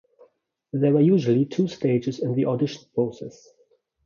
There are usually two stages in the audition process.